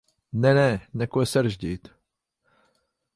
Nē, nē, neko sarežģītu.